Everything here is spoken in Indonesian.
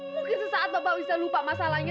mungkin sesaat bapak bisa lupa masalahnya